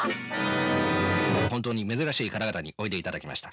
本当に珍しい方々においでいただきました。